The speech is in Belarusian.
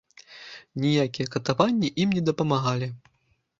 Ніякія катаванні ім не дапамагалі.